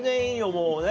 もうね。